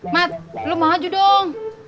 mat lu maju dong